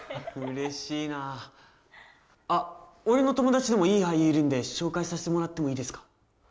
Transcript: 嬉しいなあっ俺の友達でもいい俳優いるんで紹介させてもらってもいいですか？